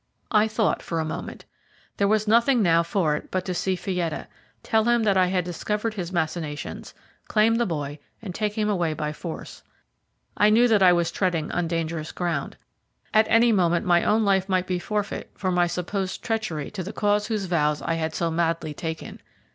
I thought for a moment. There was nothing now for it but to see Fietta, tell him that I had discovered his machinations, claim the boy, and take him away by force. I knew that I was treading on dangerous ground. At any moment my own life might be the forfeit for my supposed treachery to the cause whose vows I had so madly taken.